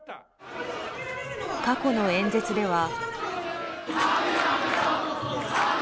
過去の演説では。